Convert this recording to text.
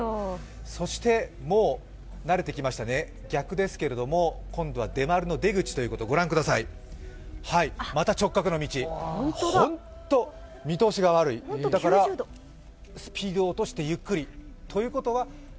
そしてもう慣れてきましたね、逆ですけれども、今度は出丸の出口ということで、また直角の道、本当に見通しが悪いだからスピードを落としてゆっくり。